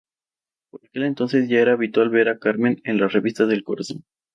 Por aquel entonces, ya era habitual ver a Carmen en las revistas del corazón.